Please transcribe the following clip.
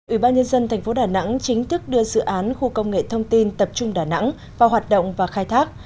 ủy ban nhân dân tp đà nẵng chính thức đưa dự án khu công nghệ thông tin tập trung đà nẵng vào hoạt động và khai thác